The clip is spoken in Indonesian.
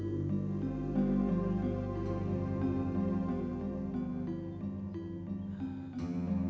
tapi bidikmu tak ada viru